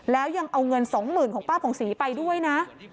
แล้วยังเอาเงิน๒๐๐๐ของป้าผ่องศรีไปด้วยนะ